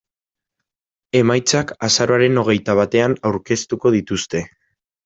Emaitzak azaroaren hogeita batean aurkeztuko dituzte.